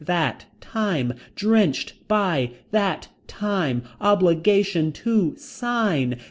That. Time. Drenched. By. That. Time. Obligation. To sign.